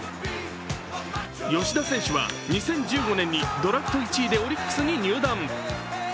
吉田選手は２０１５年にドラフト１位でオリックスに入団。